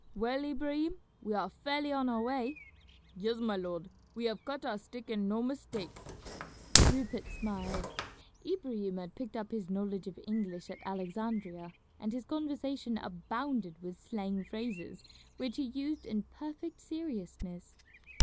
"Well, Ibrahim, we are fairly on our way." "Yes, my lord, we have cut our stick and no mistake." Rupert smiled. Ibrahim had picked up his knowledge of English at Alexandria, and his conversation abounded with slang phrases which he used in perfect seriousness.